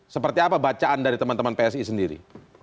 seperti apa bacaan dari teman teman psi sendiri